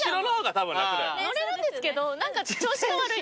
乗れるんですけど何か調子が悪い。